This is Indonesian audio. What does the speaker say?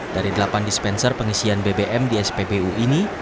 dari delapan dispenser pengisian bbm di spbu ini